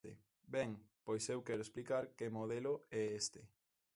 Ben, pois eu quero explicar que modelo é este.